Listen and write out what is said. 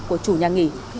của chủ nhà nghỉ